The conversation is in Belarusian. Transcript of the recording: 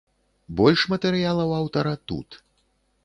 Больш матэрыялаў аўтара тут.